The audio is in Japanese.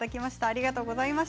ありがとうございます。